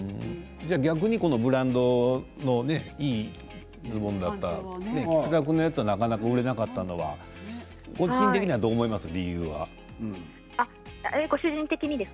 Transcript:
逆にこのブランドのいいズボンだった菊田君のやつはなかなか売れなかったのは個人的には理由はどう思いますか。